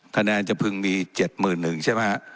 คะแนนจะเพิ่งมี๗หมื่นหนึ่งใช่มะ